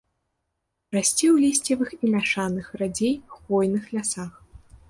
Расце ў лісцевых і мяшаных, радзей хвойных лясах.